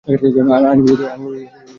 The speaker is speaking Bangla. আইনবিরোধী কিছু নয় তো।